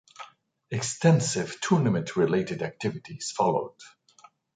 Extensive tournament-related activities followed.